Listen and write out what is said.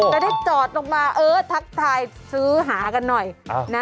แต่ถ้าจอดลงมาเออทักทายซื้อหากันหน่อยนะ